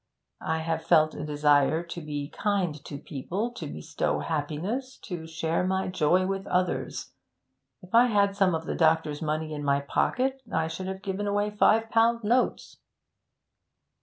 I have felt a desire to be kind to people to bestow happiness to share my joy with others. If I had some of the doctor's money in my pocket, I should have given away five pound notes.'